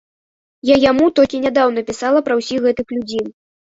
Я яму толькі нядаўна пісала пра ўсіх гэтых людзей.